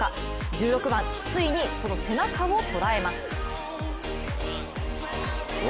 １６番、ついにその背中を捉えます。